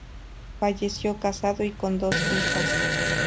Falleció casado y con dos hijas.